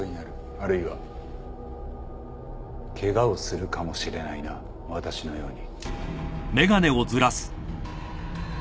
あるいはケガをするかもしれないな私のように。